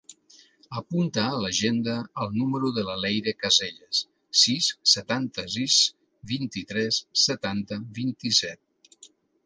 Apunta a l'agenda el número de la Leyre Caselles: sis, setanta-sis, vint-i-tres, setanta, vint-i-set.